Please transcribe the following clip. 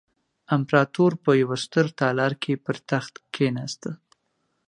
امپراتور په یوه ستر تالار کې پر تخت کېناسته.